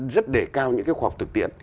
rất đề cao những cái khoa học thực tiễn